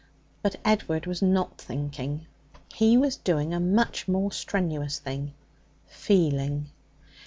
But Edward was not thinking. He was doing a much more strenuous thing feeling.